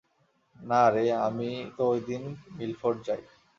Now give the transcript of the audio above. না রে, আমি তো ঐদিন মিলফোর্ড যাই।